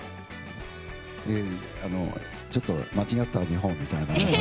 ちょっと間違った日本みたいな。